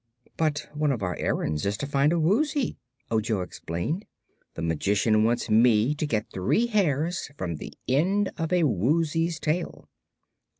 "But one of our errands is to find a Woozy," Ojo explained. "The Magician wants me to get three hairs from the end of a Woozy's tail."